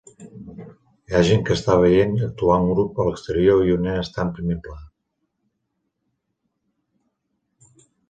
Hi ha gent que està veient actuar a un grup a l'exterior i un nen està en primer pla.